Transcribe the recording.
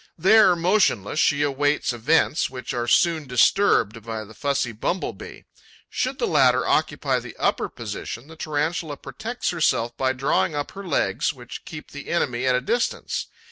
There, motionless, she awaits events, which are soon disturbed by the fussy Bumble bee. Should the latter occupy the upper position, the Tarantula protects herself by drawing up her legs, which keep the enemy at a distance.